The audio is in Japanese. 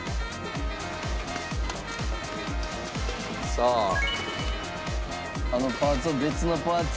さああのパーツを別のパーツに装着して。